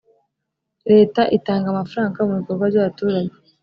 leta itanga amafaranga mubikorwa byabaturage.